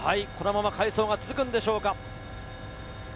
このまま快走が続くんでしょうか。